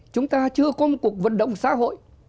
chúng ta chưa có một cuộc vận động xã hội